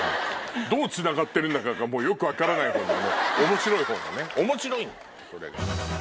どうつながってるんだかよく分からないほうの面白いほうのね面白いそれが。